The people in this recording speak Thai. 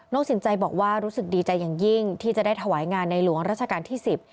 สินใจบอกว่ารู้สึกดีใจอย่างยิ่งที่จะได้ถวายงานในหลวงราชการที่สิบ